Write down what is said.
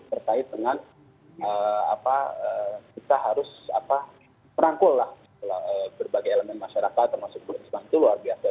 terkait dengan kita harus merangkul berbagai elemen masyarakat termasuk keberhasilan keluarga